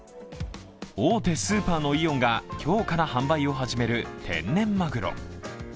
大手スーパーのイオンが今日から販売を始める天然まぐろ。